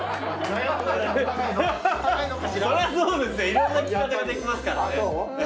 いろんな着方ができますからね。